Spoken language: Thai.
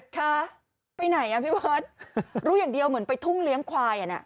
ค่ะไปไหนอ่ะพี่เบิร์ตรู้อย่างเดียวเหมือนไปทุ่งเลี้ยงควายอ่ะนะ